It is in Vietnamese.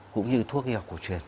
cũng như thuốc y học cổ truyền